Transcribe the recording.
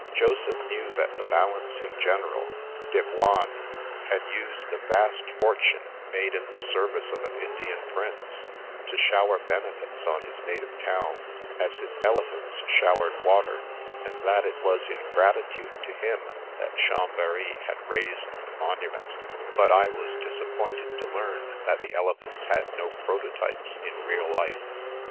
Joseph knew that the balancing general, De Boigne, had used a vast fortune made in the service of an Indian prince, to shower benefits on his native town, as his ele phants showered water, and that it was in gratitude to him that Chamb^ry had raised the monument; but I was disappointed to learn that the elephants had no prototypes in real life.